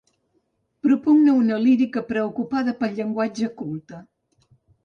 Propugna una lírica preocupada pel llenguatge, culta.